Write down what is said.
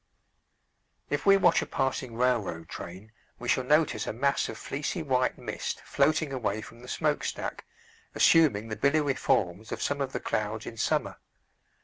If we watch a passing railroad train we shall notice a mass of fleecy white mist floating away from the smokestack, assuming the billowy forms of some of the clouds in summer.